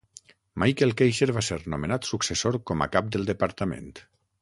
Michael Keiser va ser nomenat successor com a cap del departament.